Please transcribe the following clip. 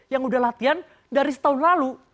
yang udah latihan dari setahun lalu